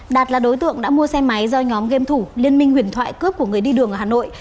đạt là đối tượng đã mua xe máy do nhóm game thủ liên minh huyền thoại cướp của người đi đường ở hà nội